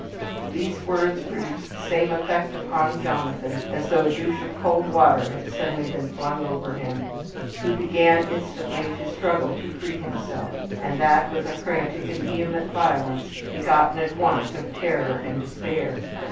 These words produced the same effect upon Jonathan as though a douche of cold water had suddenly been flung over him. He began instantly to struggle to free himself, and that with a frantic and vehement violence begotten at once of terror and despair.